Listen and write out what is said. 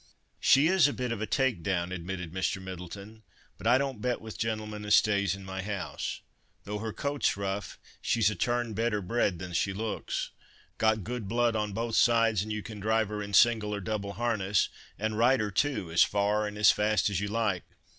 "She is a bit of a take down," admitted Mr. Middleton, "but I don't bet with gentlemen as stays in my house. Though her coat's rough, she's a turn better bred than she looks. Got good blood on both sides, and you can drive her in single or double harness, and ride her too, as far and as fast as you like.